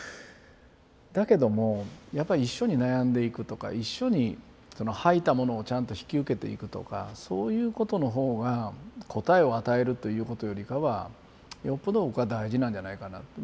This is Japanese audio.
だけどもやっぱり一緒に悩んでいくとか一緒に吐いたものをちゃんと引き受けていくとかそういうことの方が答えを与えるということよりかはよっぽど僕は大事なんじゃないかなと。